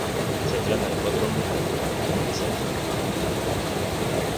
Se trata de cuatro hombres adultos, un adolescente y una mujer.